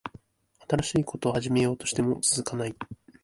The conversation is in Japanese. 新しいこと始めようとしても続かない